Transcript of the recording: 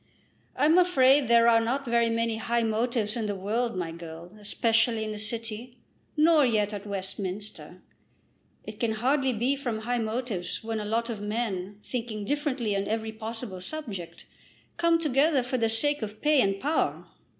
"I'm afraid there are not very many high motives in the world, my girl, especially in the city; nor yet at Westminster. It can hardly be from high motives when a lot of men, thinking differently on every possible subject, come together for the sake of pay and power.